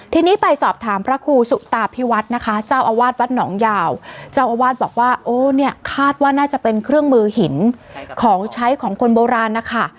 ทีนี้ไปสอบถามพระครูสุตาพิวัฒน์นะคะเจ้าอาวาสวัดหนองยาวเจ้าอาวาสบอกว่าโอ้เนี่ยคาดว่าน่าจะเป็นเครื่องมือหินของใช้ของคนโบราณนะคะ